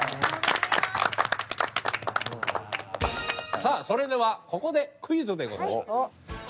さあそれではここでクイズでございます！